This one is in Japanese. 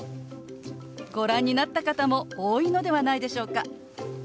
ご覧になった方も多いのではないでしょうか。